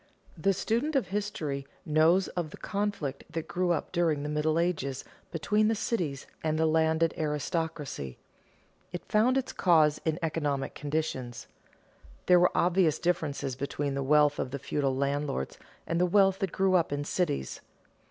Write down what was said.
_ The student of history knows of the conflict that grew up during the Middle Ages between the cities and the landed aristocracy. It found its cause in economic conditions. There were obvious differences between the wealth of the feudal landlords, and the wealth that grew up in cities.